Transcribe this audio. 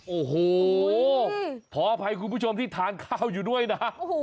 โอ้โหขออภัยคุณผู้ชมที่ทานข้าวอยู่ด้วยนะ